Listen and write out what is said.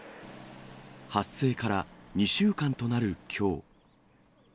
発生から２週間となるきょう。